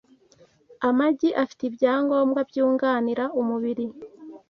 Amagi Afite Ibyangombwa Byunganira Umubiri